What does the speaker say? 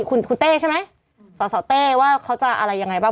คุณคุณเต้ใช่ไหมสสเต้ว่าเขาจะอะไรยังไงบ้าง